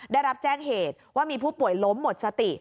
ได้รับแจ้งเหตุว่ามีผู้ป่วยล้มหมดสติ